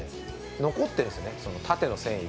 残ってるんですよね、縦の繊維が。